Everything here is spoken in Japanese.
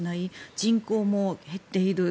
人口も減っている。